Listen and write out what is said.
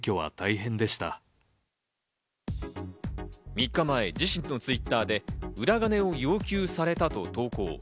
３日前、自身のＴｗｉｔｔｅｒで裏金を要求されたと投稿。